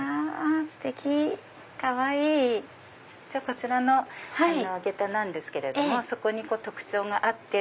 こちらの下駄なんですけれども底に特徴があって。